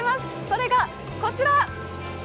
それがこちら！